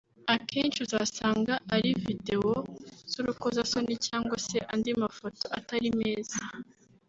Akenshi uzasanga ari videwo z’urukozasoni cyangwa se andi mafoto atari meza